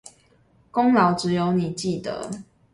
功勞只有你記得